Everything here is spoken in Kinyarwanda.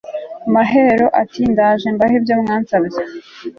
mahero ati ndaje mbahe ibyo mwansabye